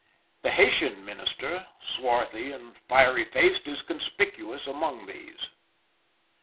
The Haytien minister, swarthy and fiery faced, is conspicuous among these.